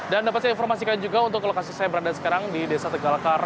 dan dapat saya informasikan juga untuk lokasi saya berada sekarang di desa tegal kar